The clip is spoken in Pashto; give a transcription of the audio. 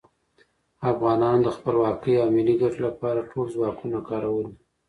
افغانانو د خپلواکۍ او ملي ګټو لپاره ټول ځواکونه کارولي.